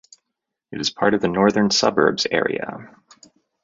It is part of the Northern Suburbs area.